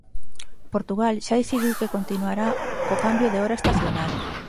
Portugal xa decidiu que continuará co cambio de hora estacional.